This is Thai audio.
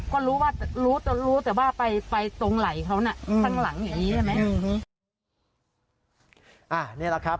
ก็รู้ว่ารู้แต่ว่าไปตรงไหล่เขาข้างหลังอย่างนี้ใช่ไหม